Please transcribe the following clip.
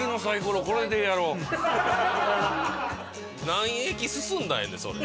何駅進んだらええねんそれ。